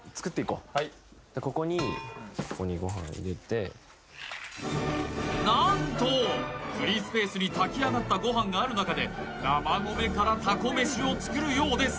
ここにここに何とフリースペースに炊き上がったご飯がある中で生米からタコ飯を作るようです